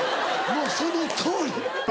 もうそのとおり。